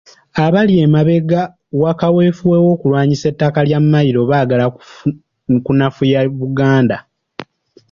Abali emabega wa kaweefube w'okulwanyisa ettaka lya mmayiro baagala kunafuya Buganda.